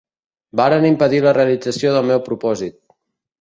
Varen impedir la realització del meu propòsit.